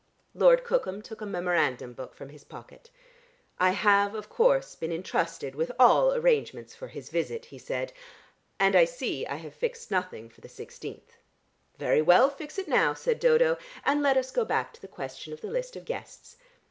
Lord Cookham took a memorandum book from his pocket. "I have of course been entrusted with all arrangements for his visit," he said, "and I see I have fixed nothing for the sixteenth." "Very well, fix it now," said Dodo, "and let us go back to the question of the list of guests.